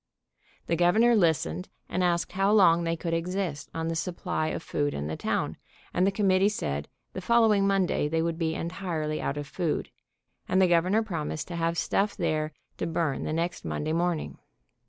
The Governor listened, and asked how long they could exist on the supply of food in the town, and the committee said the following Monday they would be entirely out of food, and the Governor promised to have stuff there to burn the next Mon day morning.